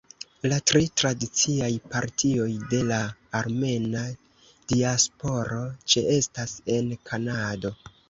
La tri tradiciaj partioj de la armena diasporo ĉeestas en Kanado.